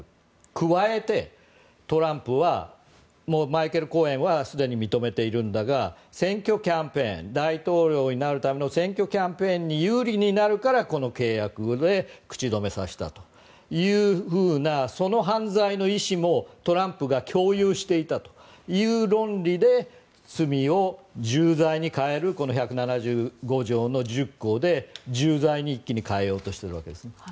加えて、トランプはマイケル・コーエンはすでに認めているんだが選挙キャンペーン大統領になるための選挙キャンペーンに有利になるから、この契約で口止めさせたというふうなその犯罪の意思もトランプが共有していたという論理で罪を重罪に変えるこの１７５条の１０項で重罪に一気に変えようとしていたと。